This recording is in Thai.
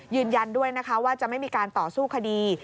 ยืนยันด้วยนะคะว่าจะไม่มีการต่อสู้คดี